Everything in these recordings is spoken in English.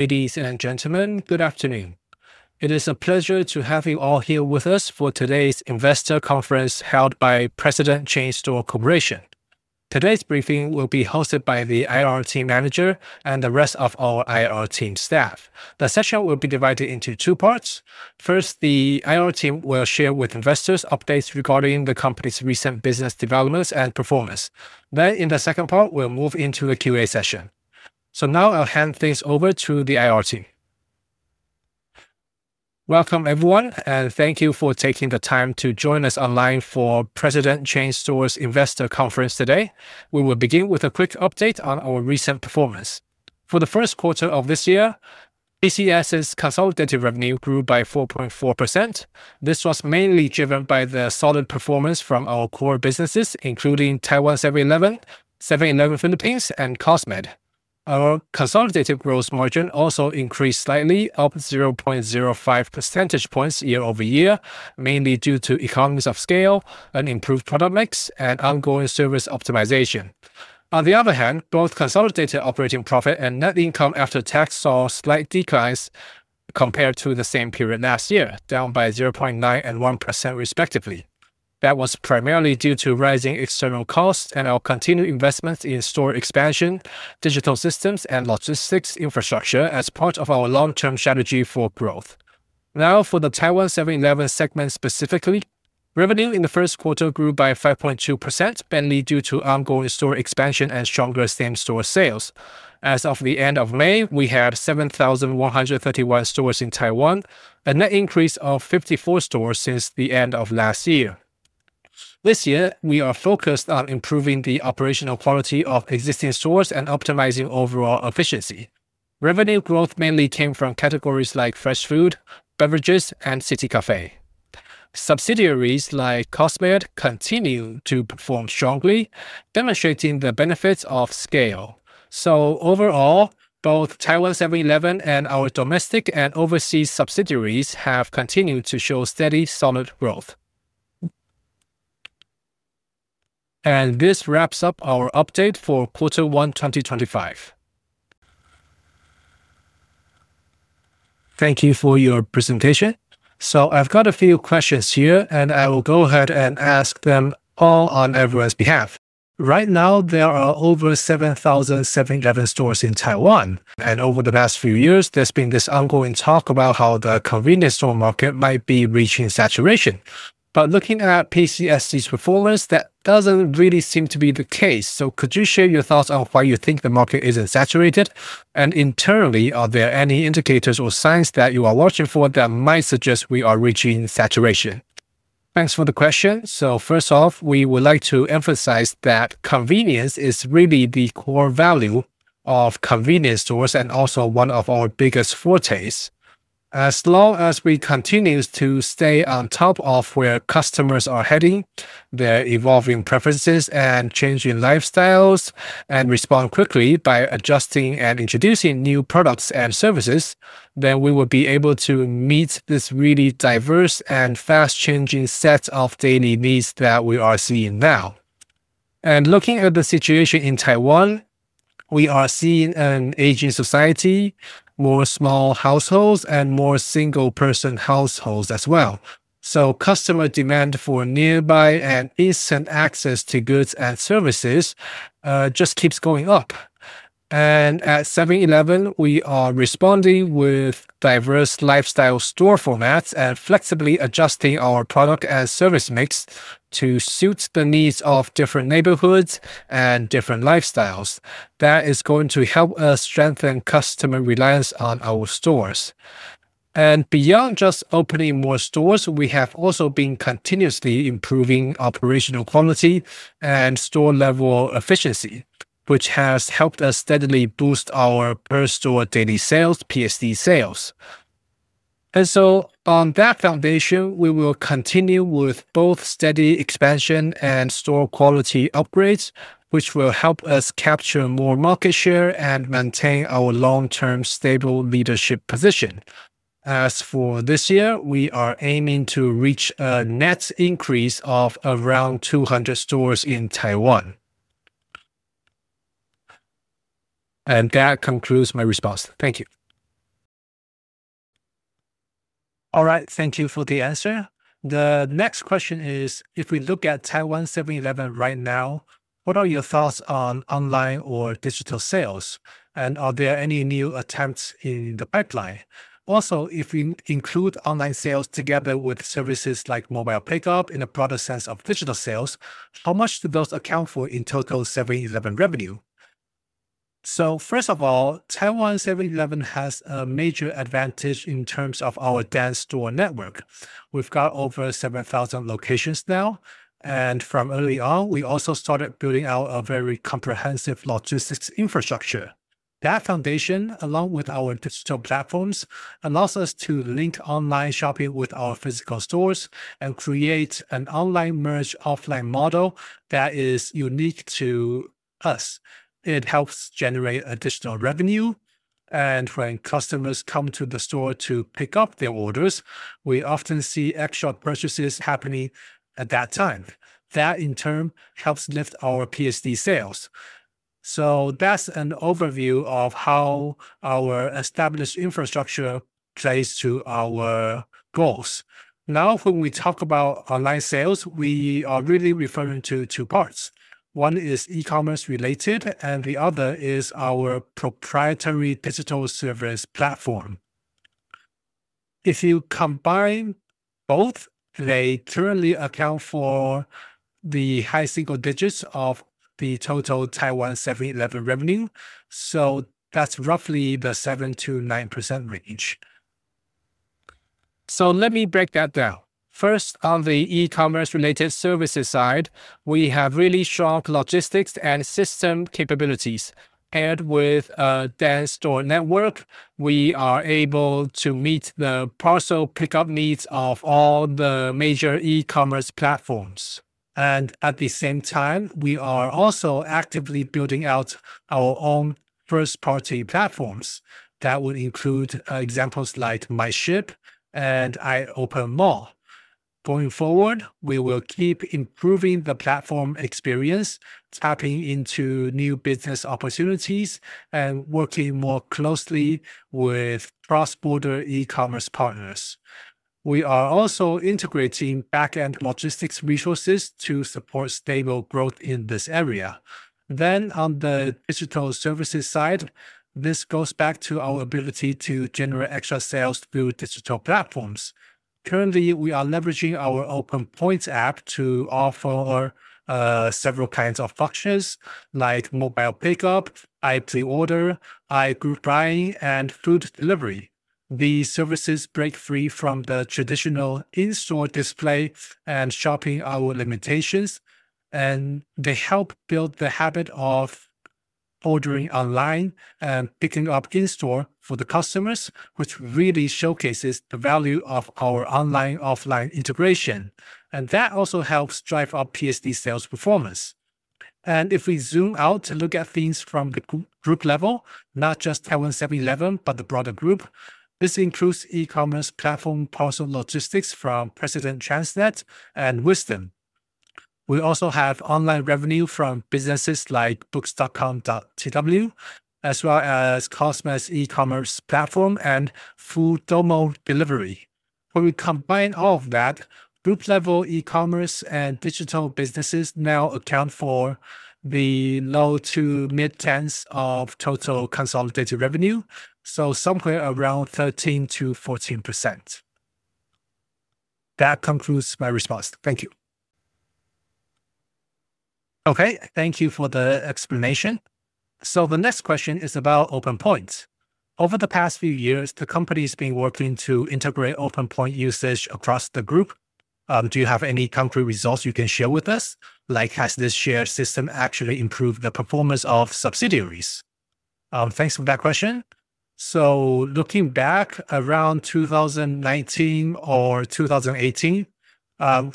Ladies and gentlemen, good afternoon. It is a pleasure to have you all here with us for today's investor conference held by President Chain Store Corporation. Today's briefing will be hosted by the IR team manager and the rest of our IR team staff. The session will be divided into two parts. First, the IR team will share with investors updates regarding the company's recent business developments and performance. Then, in the second part, we'll move into the Q&A session. Now I'll hand things over to the IR team. Welcome, everyone, and thank you for taking the time to join us online for President Chain Store's investor conference today. We will begin with a quick update on our recent performance. For the first quarter of this year, PCSC's consolidated revenue grew by 4.4%. This was mainly driven by the solid performance from our core businesses, including 7-Eleven Taiwan, 7-Eleven Philippines, and Cosmed. Our consolidated gross margin also increased slightly, up 0.05 percentage points year-over-year, mainly due to economies of scale, an improved product mix, and ongoing service optimization. On the other hand, both consolidated operating profit and net income after tax saw slight declines compared to the same period last year, down by 0.9% and 1%, respectively. That was primarily due to rising external costs and our continued investment in store expansion, digital systems, and logistics infrastructure as part of our long-term strategy for growth. Now for the 7-Eleven Taiwan segment specifically, revenue in the first quarter grew by 5.2%, mainly due to ongoing store expansion and stronger same-store sales. As of the end of May, we had 7,131 stores in Taiwan, a net increase of 54 stores since the end of last year. This year, we are focused on improving the operational quality of existing stores and optimizing overall efficiency. Revenue growth mainly came from categories like fresh food, beverages, and CITY CAFE. Subsidiaries like Cosmed continue to perform strongly, demonstrating the benefits of scale. Overall, both Taiwan 7-Eleven and our domestic and overseas subsidiaries have continued to show steady, solid growth. This wraps up our update for Quarter 1 2025. Thank you for your presentation. I've got a few questions here, and I will go ahead and ask them all on everyone's behalf. Right now, there are over 7,000 7-Eleven stores in Taiwan, and over the past few years, there's been this ongoing talk about how the convenience store market might be reaching saturation. Looking at PCSC's performance, that doesn't really seem to be the case. Could you share your thoughts on why you think the market isn't saturated? Internally, are there any indicators or signs that you are watching for that might suggest we are reaching saturation? Thanks for the question. First off, we would like to emphasize that convenience is really the core value of convenience stores and also one of our biggest fortes. As long as we continue to stay on top of where customers are heading, their evolving preferences, and changing lifestyles, and respond quickly by adjusting and introducing new products and services, then we will be able to meet this really diverse and fast-changing set of daily needs that we are seeing now. Looking at the situation in Taiwan, we are seeing an aging society, more small households, and more single-person households as well. Customer demand for nearby and instant access to goods and services just keeps going up. At 7-Eleven, we are responding with diverse lifestyle store formats and flexibly adjusting our product and service mix to suit the needs of different neighborhoods and different lifestyles. That is going to help us strengthen customer reliance on our stores. Beyond just opening more stores, we have also been continuously improving operational quality and store-level efficiency, which has helped us steadily boost our per-store daily sales, PSD sales. On that foundation, we will continue with both steady expansion and store quality upgrades, which will help us capture more market share and maintain our long-term stable leadership position. As for this year, we are aiming to reach a net increase of around 200 stores in Taiwan. That concludes my response. Thank you. All right. Thank you for the answer. The next question is, if we look at 7-Eleven Taiwan right now, what are your thoughts on online or digital sales? Are there any new attempts in the pipeline? If we include online sales together with services like mobile pickup in a broader sense of digital sales, how much do those account for in total 7-Eleven revenue? First of all, 7-Eleven Taiwan has a major advantage in terms of our dense store network. We've got over 7,000 locations now, and from early on, we also started building out a very comprehensive logistics infrastructure. That foundation, along with our digital platforms, allows us to link online shopping with our physical stores and create an online-merge-offline model that is unique to us. It helps generate additional revenue, and when customers come to the store to pick up their orders, we often see extra purchases happening at that time. That, in turn, helps lift our PSD sales. That's an overview of how our established infrastructure plays to our goals. Now, when we talk about online sales, we are really referring to two parts. One is e-commerce related, and the other is our proprietary digital service platform. If you combine both, they currently account for the high single digits of the total 7-Eleven Taiwan revenue. That's roughly the 7%-9% range. Let me break that down. First, on the e-commerce related services side, we have really strong logistics and system capabilities. Paired with a dense store network, we are able to meet the parcel pickup needs of all the major e-commerce platforms. At the same time, we are also actively building out our own first-party platforms. That would include examples like MyShip and iOPEN Mall. Going forward, we will keep improving the platform experience, tapping into new business opportunities, and working more closely with cross-border e-commerce partners. We are also integrating back-end logistics resources to support stable growth in this area. On the digital services side, this goes back to our ability to generate extra sales through digital platforms. Currently, we are leveraging our OPEN POINT app to offer several kinds of functions like mobile pickup, iPre-order, i-Group Buying, and food delivery. These services break free from the traditional in-store display and shopping hour limitations, they help build the habit of ordering online and picking up in store for the customers, which really showcases the value of our online-offline integration. That also helps drive up PCSC sales performance. If we zoom out to look at things from the group level, not just 7-Eleven Taiwan, but the broader group, this includes e-commerce platform parcel logistics from President Transnet and Wisdom. We also have online revenue from businesses like books.com.tw, as well as Cosmed's e-commerce platform and food delivery. When we combine all of that, group-level e-commerce and digital businesses now account for the low to mid-tens of total consolidated revenue, so somewhere around 13%-14%. That concludes my response. Thank you. Okay. Thank you for the explanation. The next question is about OPEN POINT. Over the past few years, the company's been working to integrate OPEN POINT usage across the group. Do you have any concrete results you can share with us, like has this shared system actually improved the performance of subsidiaries? Thanks for that question. Looking back around 2019 or 2018,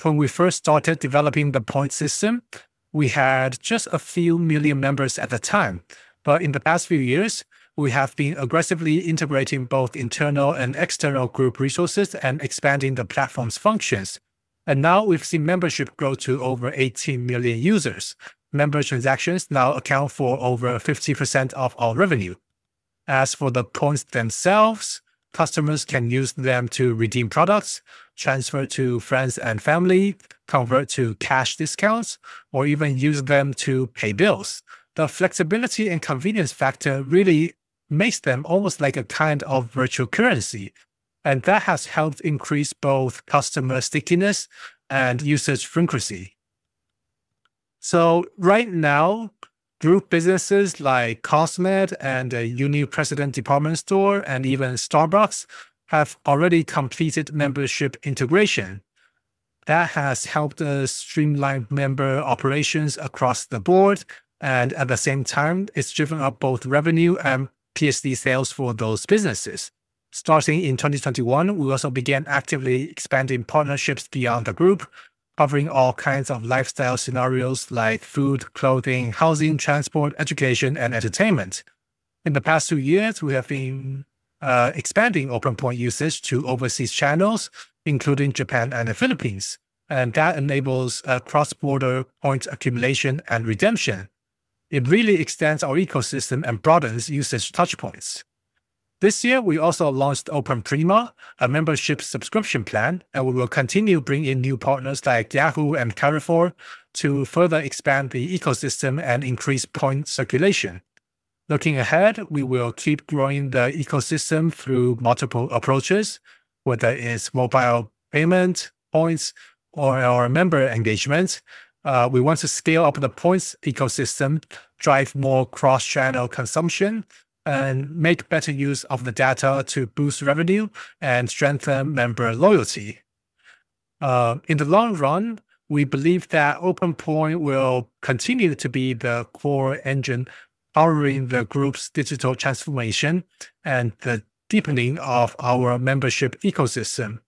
when we first started developing the points system, we had just a few million members at the time. In the past few years, we have been aggressively integrating both internal and external group resources and expanding the platform's functions. Now we've seen membership grow to over 18 million users. Member transactions now account for over 50% of our revenue. As for the points themselves, customers can use them to redeem products, transfer to friends and family, convert to cash discounts, or even use them to pay bills. The flexibility and convenience factor really makes them almost like a kind of virtual currency, and that has helped increase both customer stickiness and usage frequency. Right now, group businesses like Cosmed and the Uni-President Department Store, and even Starbucks, have already completed membership integration. That has helped us streamline member operations across the board. At the same time, it's driven up both revenue and PSD sales for those businesses. Starting in 2021, we also began actively expanding partnerships beyond the group, covering all kinds of lifestyle scenarios like food, clothing, housing, transport, education, and entertainment. In the past two years, we have been expanding OPEN POINT usage to overseas channels, including Japan and the Philippines. That enables cross-border points accumulation and redemption. It really extends our ecosystem and broadens usage touchpoints. This year, we also launched OPEN PRIMA, a membership subscription plan. We will continue bringing in new partners like Yahoo and Carrefour to further expand the ecosystem and increase point circulation. Looking ahead, we will keep growing the ecosystem through multiple approaches, whether it's mobile payment, points, or our member engagement. We want to scale up the points ecosystem, drive more cross-channel consumption, and make better use of the data to boost revenue and strengthen member loyalty. In the long run, we believe that OPEN POINT will continue to be the core engine powering the group's digital transformation and the deepening of our membership ecosystem.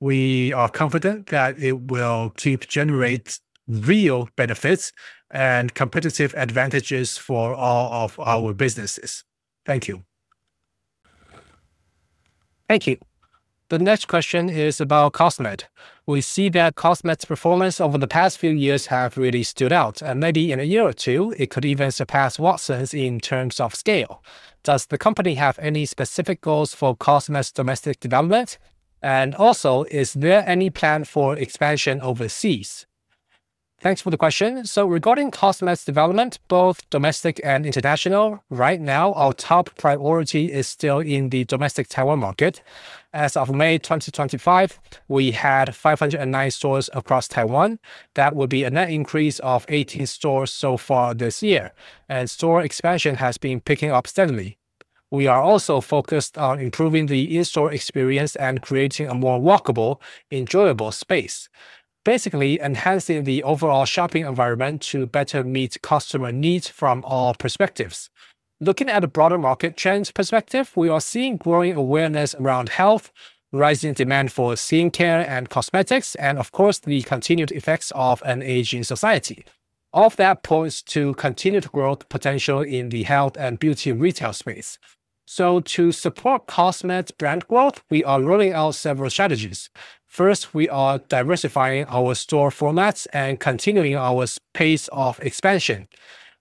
We are confident that it will keep generating real benefits and competitive advantages for all of our businesses. Thank you. The next question is about Cosmed. We see that Cosmed's performance over the past few years have really stood out, and maybe in a year or two, it could even surpass Watsons in terms of scale. Does the company have any specific goals for Cosmed's domestic development? Also, is there any plan for expansion overseas? Thanks for the question. Regarding Cosmed's development, both domestic and international, right now, our top priority is still in the domestic Taiwan market. As of May 2025, we had 509 stores across Taiwan. That would be a net increase of 18 stores so far this year, and store expansion has been picking up steadily. We are also focused on improving the in-store experience and creating a more walkable, enjoyable space, basically enhancing the overall shopping environment to better meet customer needs from all perspectives. Looking at a broader market trend perspective, we are seeing growing awareness around health, rising demand for skincare and cosmetics, and of course, the continued effects of an aging society. All of that points to continued growth potential in the health and beauty retail space. To support Cosmed brand growth, we are rolling out several strategies. First, we are diversifying our store formats and continuing our pace of expansion.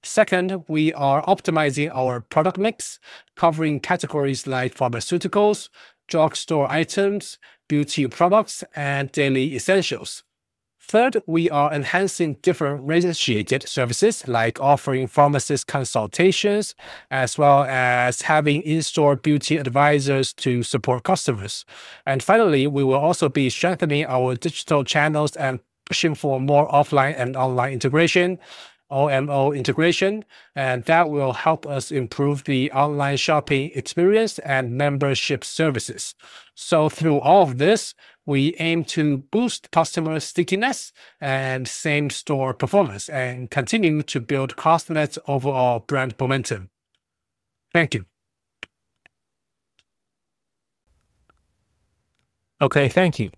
Second, we are optimizing our product mix, covering categories like pharmaceuticals, drugstore items, beauty products, and daily essentials. Third, we are enhancing different registered services like offering pharmacist consultations, as well as having in-store beauty advisors to support customers. Finally, we will also be strengthening our digital channels and pushing for more offline and online integration, OMO integration, and that will help us improve the online shopping experience and membership services. Through all of this, we aim to boost customer stickiness and same-store performance and continue to build Cosmed's overall brand momentum. Thank you. Okay. Thank you.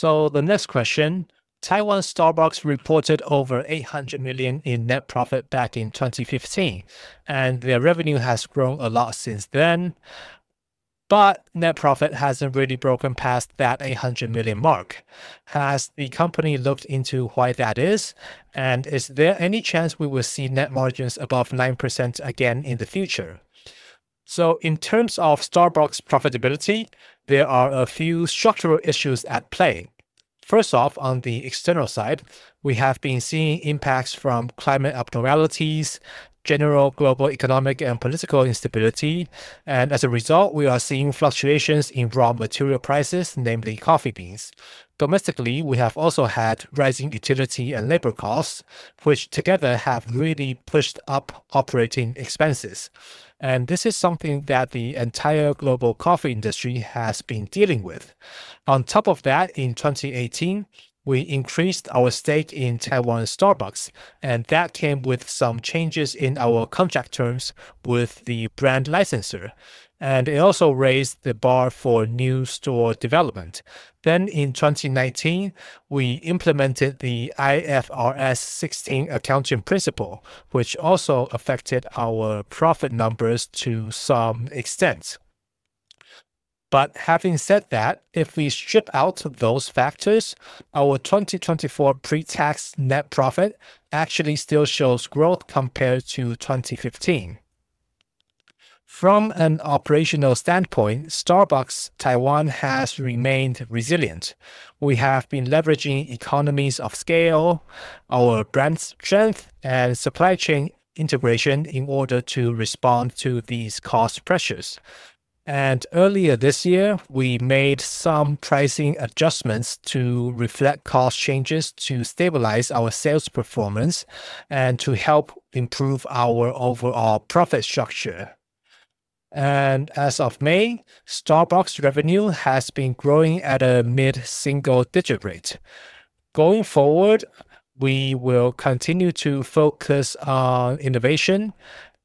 The next question, Starbucks Taiwan reported over 800 million in net profit back in 2015, and their revenue has grown a lot since then. Net profit hasn't really broken past that 800 million mark. Has the company looked into why that is? Is there any chance we will see net margins above 9% again in the future? In terms of Starbucks profitability, there are a few structural issues at play. First off, on the external side, we have been seeing impacts from climate abnormalities, general global economic and political instability, and as a result, we are seeing fluctuations in raw material prices, namely coffee beans. Domestically, we have also had rising utility and labor costs, which together have really pushed up operating expenses. This is something that the entire global coffee industry has been dealing with. On top of that, in 2018, we increased our stake in Starbucks Taiwan, and that came with some changes in our contract terms with the brand licensor. It also raised the bar for new store development. In 2019, we implemented the IFRS 16 accounting principle, which also affected our profit numbers to some extent. Having said that, if we strip out those factors, our 2024 pre-tax net profit actually still shows growth compared to 2015. From an operational standpoint, Starbucks Taiwan has remained resilient. We have been leveraging economies of scale, our brand strength, and supply chain integration in order to respond to these cost pressures. Earlier this year, we made some pricing adjustments to reflect cost changes to stabilize our sales performance and to help improve our overall profit structure. As of May, Starbucks revenue has been growing at a mid-single-digit rate. Going forward, we will continue to focus on innovation,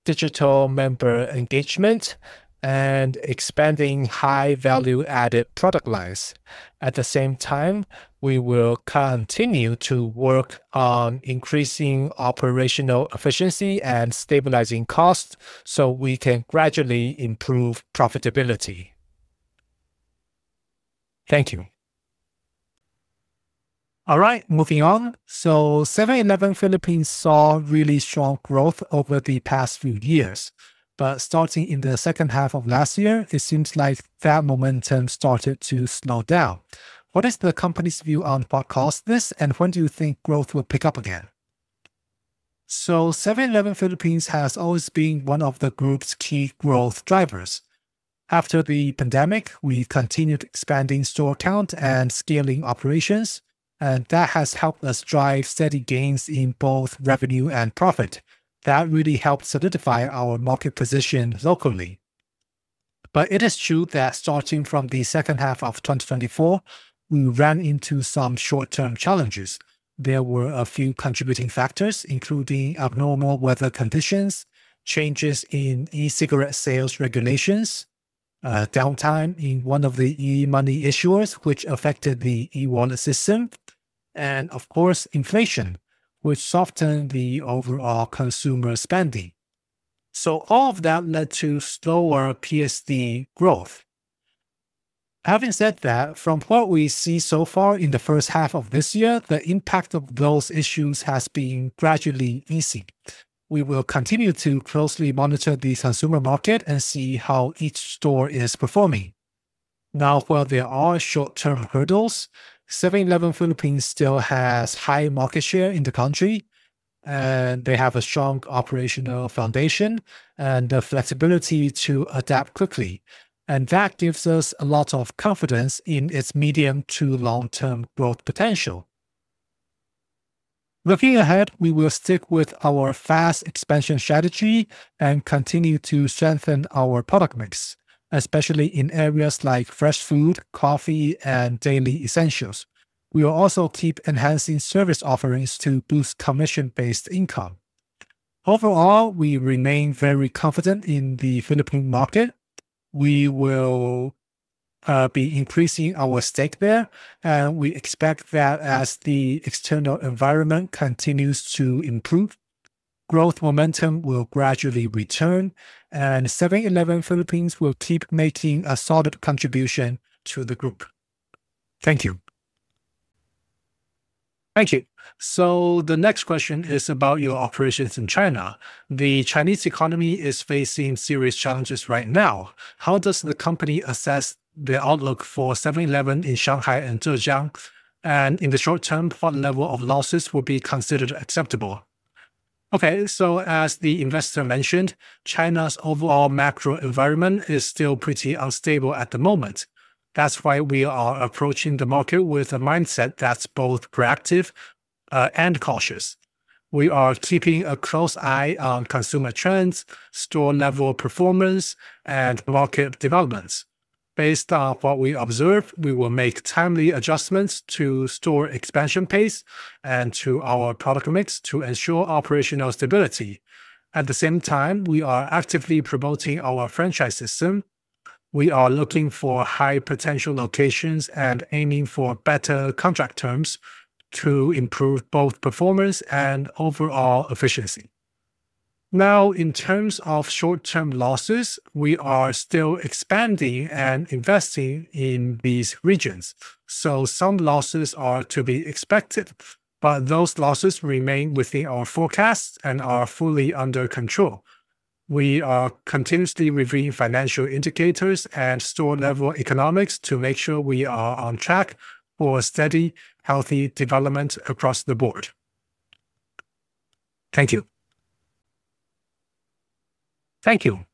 digital member engagement, and expanding high value-added product lines. At the same time, we will continue to work on increasing operational efficiency and stabilizing costs so we can gradually improve profitability. Thank you. All right. Moving on. 7-Eleven Philippines saw really strong growth over the past few years. Starting in the second half of last year, it seems like that momentum started to slow down. What is the company's view on what caused this, and when do you think growth will pick up again? 7-Eleven Philippines has always been one of the group's key growth drivers. After the pandemic, we continued expanding store count and scaling operations, and that has helped us drive steady gains in both revenue and profit. That really helped solidify our market position locally. It is true that starting from the second half of 2024, we ran into some short-term challenges. There were a few contributing factors, including abnormal weather conditions, changes in e-cigarette sales regulations, downtime in one of the e-money issuers, which affected the e-wallet system, and of course, inflation, which softened the overall consumer spending. All of that led to slower PSD growth. Having said that, from what we see so far in the first half of this year, the impact of those issues has been gradually easing. We will continue to closely monitor the consumer market and see how each store is performing. Now, while there are short-term hurdles, 7-Eleven Philippines still has high market share in the country, and they have a strong operational foundation and the flexibility to adapt quickly. That gives us a lot of confidence in its medium to long-term growth potential. Looking ahead, we will stick with our fast expansion strategy and continue to strengthen our product mix, especially in areas like fresh food, coffee, and daily essentials. We will also keep enhancing service offerings to boost commission-based income. Overall, we remain very confident in the Philippine market. We will be increasing our stake there, and we expect that as the external environment continues to improve, growth momentum will gradually return, and 7-Eleven Philippines will keep making a solid contribution to the group. Thank you. The next question is about your operations in China. The Chinese economy is facing serious challenges right now. How does the company assess the outlook for 7-Eleven in Shanghai and Zhejiang? In the short term, what level of losses would be considered acceptable? As the investor mentioned, China's overall macro environment is still pretty unstable at the moment. That's why we are approaching the market with a mindset that's both proactive and cautious. We are keeping a close eye on consumer trends, store-level performance, and market developments. Based on what we observe, we will make timely adjustments to store expansion pace and to our product mix to ensure operational stability. At the same time, we are actively promoting our franchise system. We are looking for high-potential locations and aiming for better contract terms to improve both performance and overall efficiency. In terms of short-term losses, we are still expanding and investing in these regions, so some losses are to be expected. Those losses remain within our forecasts and are fully under control. We are continuously reviewing financial indicators and store-level economics to make sure we are on track for steady, healthy development across the board. Thank you. Thank you.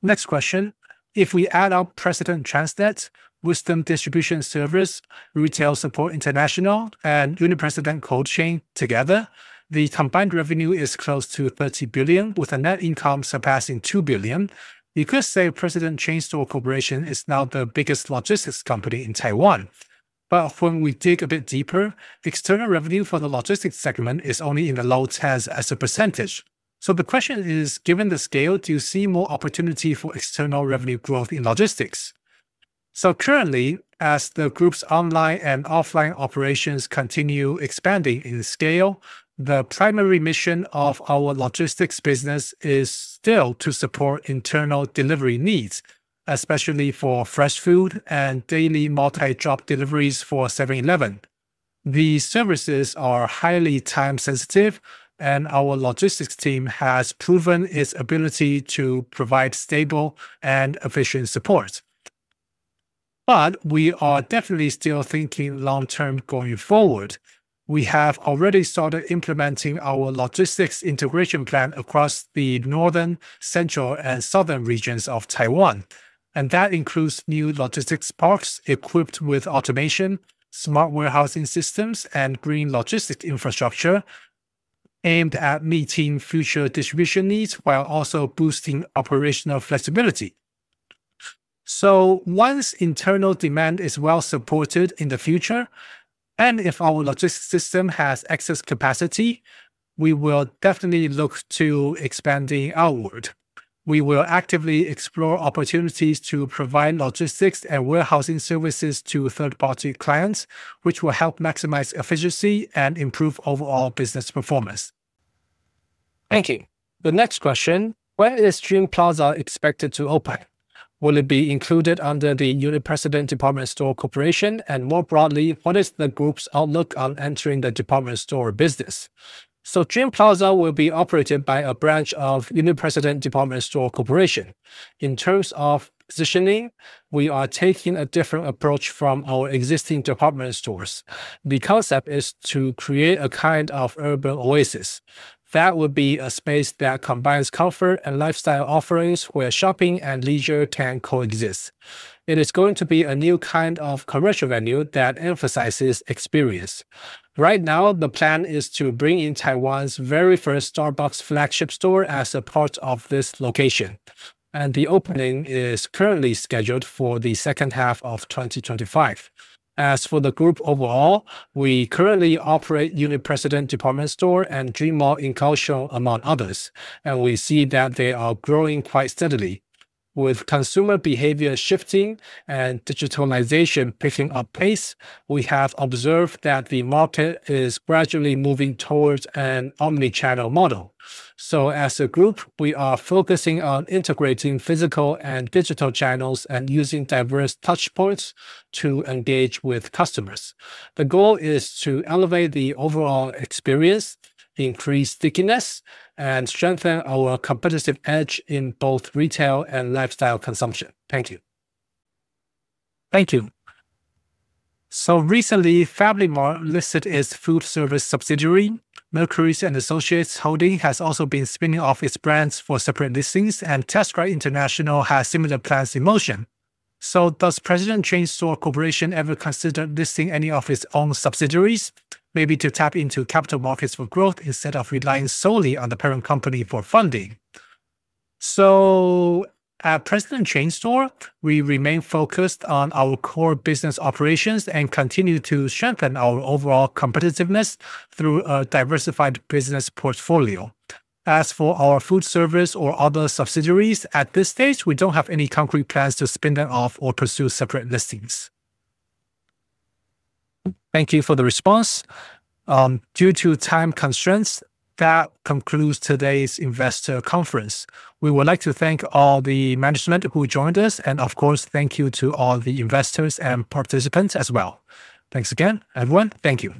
Next question. If we add up President Transnet, Wisdom Distribution Service, Retail Support International, and Uni-President Cold Chain together, the combined revenue is close to 30 billion, with a net income surpassing 2 billion. You could say President Chain Store Corporation is now the biggest logistics company in Taiwan. When we dig a bit deeper, external revenue for the logistics segment is only in the low tens as a percentage. The question is, given the scale, do you see more opportunity for external revenue growth in logistics? Currently, as the group's online and offline operations continue expanding in scale, the primary mission of our logistics business is still to support internal delivery needs, especially for fresh food and daily multi-drop deliveries for 7-Eleven. These services are highly time sensitive, and our logistics team has proven its ability to provide stable and efficient support. We are definitely still thinking long term going forward. We have already started implementing our logistics integration plan across the northern, central, and southern regions of Taiwan, and that includes new logistics parks equipped with automation, smart warehousing systems, and green logistics infrastructure aimed at meeting future distribution needs while also boosting operational flexibility. Once internal demand is well supported in the future, and if our logistics system has excess capacity, we will definitely look to expanding outward. We will actively explore opportunities to provide logistics and warehousing services to third-party clients, which will help maximize efficiency and improve overall business performance. Thank you. The next question: When is Dream Plaza expected to open? Will it be included under the Uni-President Department Store Corp.? More broadly, what is the group's outlook on entering the department store business? Dream Plaza will be operated by a branch of Uni-President Department Store Corp. In terms of positioning, we are taking a different approach from our existing department stores. The concept is to create a kind of urban oasis that would be a space that combines comfort and lifestyle offerings where shopping and leisure can coexist. It is going to be a new kind of commercial venue that emphasizes experience. Right now, the plan is to bring in Taiwan's very first Starbucks flagship store as a part of this location, and the opening is currently scheduled for the second half of 2025. As for the group overall, we currently operate Uni-President Department Store and Dream Mall in Kaohsiung, among others, and we see that they are growing quite steadily. With consumer behavior shifting and digitalization picking up pace, we have observed that the market is gradually moving towards an omni-channel model. As a group, we are focusing on integrating physical and digital channels and using diverse touchpoints to engage with customers. The goal is to elevate the overall experience, increase stickiness, and strengthen our competitive edge in both retail and lifestyle consumption. Thank you. Thank you. Recently, FamilyMart listed its food service subsidiary. Mercuries & Associates Holding has also been spinning off its brands for separate listings, and Tesco International has similar plans in motion. Does President Chain Store Corporation ever consider listing any of its own subsidiaries, maybe to tap into capital markets for growth instead of relying solely on the parent company for funding? At President Chain Store, we remain focused on our core business operations and continue to strengthen our overall competitiveness through a diversified business portfolio. As for our food service or other subsidiaries, at this stage, we don't have any concrete plans to spin them off or pursue separate listings. Thank you for the response. Due to time constraints, that concludes today's investor conference. We would like to thank all the management who joined us, and of course, thank you to all the investors and participants as well. Thanks again, everyone. Thank you